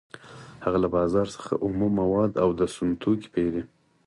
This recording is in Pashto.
هغه له بازار څخه اومه مواد او د سون توکي پېري